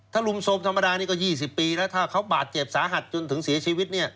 ถ้ารุมโทรมธรรมดานี่ก็๒๐ปีแล้วถ้าเขาบาดเจ็บสาหัสจนถึงเสียชีวิต